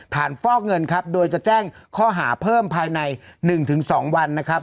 ผ่านฟอกเงินครับโดยจะแจ้งข้อหาเพิ่มภายในหนึ่งถึงสองวันนะครับ